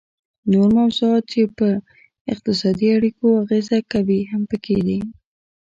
نور موضوعات چې په اقتصادي اړیکو اغیزه کوي هم پکې دي